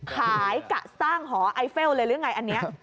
กะสร้างหอไอเฟลเลยหรือไงอันนี้